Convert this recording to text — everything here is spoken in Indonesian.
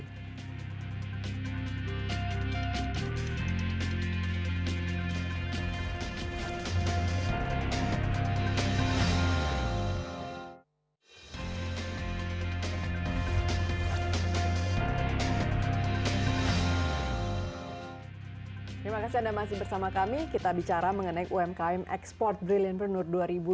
terima kasih anda masih bersama kami kita bicara mengenai umkm export brilliant renour dua ribu dua puluh dua